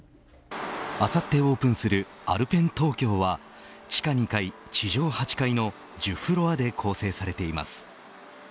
あさってオープンするＡｌｐｅｎＴＯＫＹＯは地下２階地上８階の１０フロアで構成されています。